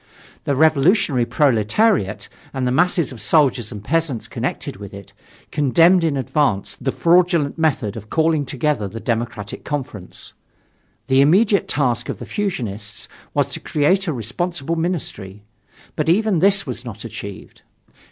The revolutionary proletariat, and the masses of soldiers and peasants connected with it, condemned in advance the fraudulent method of calling together the Democratic Conference. The immediate task of the fusionists was to create a responsible ministry. But even this was not achieved.